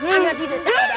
anak tidak takban